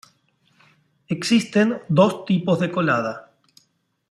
Existen dos tipos de colada.